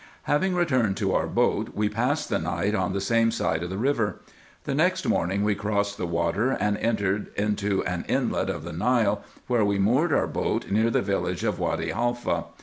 Having returned to our boat, we passed the night on the same side of the river. The next morning we crossed the water, and entered into an inlet of the Nile, where we moored our boat near the village of Wady Haifa.